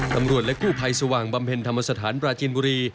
ตำรวจและกู้ภัยสว่างบำเพ็ญธรรมสถานปราจินบุรี